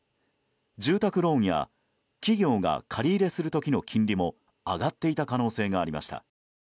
住宅ローンや企業が借り入れする時の金利も上がっていた可能性がありました。